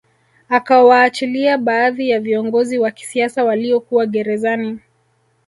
Akawaachilia baadhi ya viongozi wa kisiasa walio kuwa gerezani